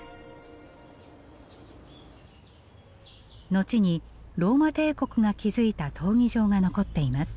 後にローマ帝国が築いた闘技場が残っています。